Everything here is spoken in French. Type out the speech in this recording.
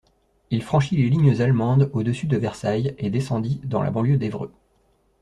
Il franchit les lignes allemandes au-dessus de Versailles et descendit dans la banlieue d'Evreux.